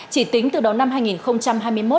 chỉ tính từ đầu năm hai nghìn hai mươi một